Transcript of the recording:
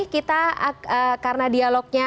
kita karena dialognya